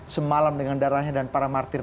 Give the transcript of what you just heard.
semalam dengan darahnya dan para martir